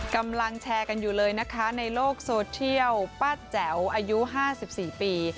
กำลังแชร์กันอยู่เลยนะคะในโลกโซเชียลป้าแจ๋วอายุ๕๔ปี